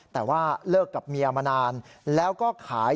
แต่ว่าเลิกกับเมียมานาน